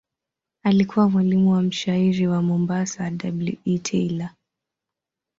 Alikuwa mwalimu wa mshairi wa Mombasa W. E. Taylor.